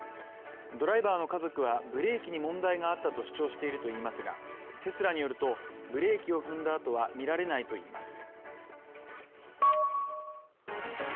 ドライバーの家族はブレーキに問題があったと主張しているといいますがテスラによるとブレーキを踏んだあとは見られないといいます。